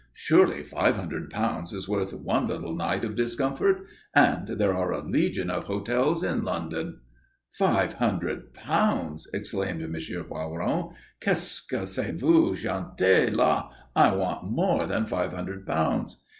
Surely five hundred pounds is worth one little night of discomfort? And there are a legion of hotels in London." "Five hundred pounds!" exclaimed M. Poiron. "Qu'est ce que vous chantez là? I want more than five hundred pounds."